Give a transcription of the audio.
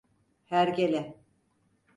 Hergele!